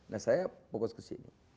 nah saya fokus ke sini